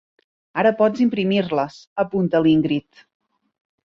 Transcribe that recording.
Ara pots imprimir-les —apunta l'Ingrid—.